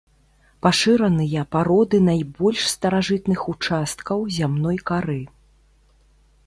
Пашыраныя пароды найбольш старажытных участкаў зямной кары.